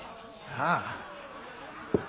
さあ。